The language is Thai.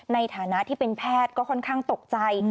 ในฐานะที่เป็นแพทย์ก็ค่อนข้างตกใจ